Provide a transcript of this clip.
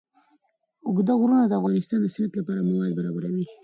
اوږده غرونه د افغانستان د صنعت لپاره مواد برابروي.